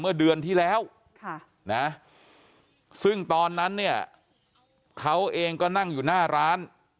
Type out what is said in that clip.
เมื่อเดือนที่แล้วซึ่งตอนนั้นเนี่ยเขาเองก็นั่งอยู่หน้าร้าน